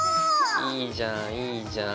いいじゃんいいじゃん。